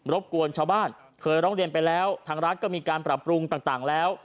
บกวนชาวบ้านเคยร้องเรียนไปแล้วทางรัฐก็มีการปรับปรุงต่างแล้ว